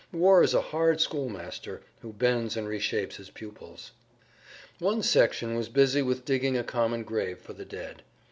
War is a hard school master who bends and reshapes his pupils. One section was busy with digging a common grave for the dead.